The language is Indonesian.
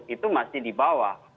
itu masih di bawah